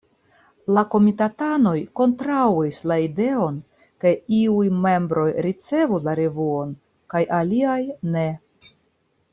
La komitatanoj kontraŭis la ideon ke iuj membroj ricevu la revuon kaj aliaj ne.